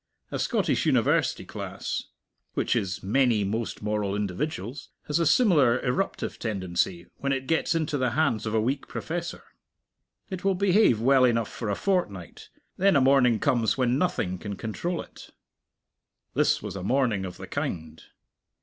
A Scottish university class which is many most moral individuals has a similar eruptive tendency when it gets into the hands of a weak professor. It will behave well enough for a fortnight, then a morning comes when nothing can control it. This was a morning of the kind.